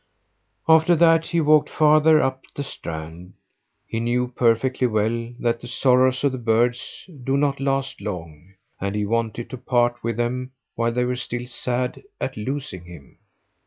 After that he walked farther up the strand. He knew perfectly well that the sorrows of the birds do not last long, and he wanted to part with them while they were still sad at losing him.